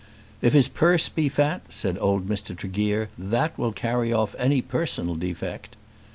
"If his purse be fat," said old Mr. Tregear, "that will carry off any personal defect."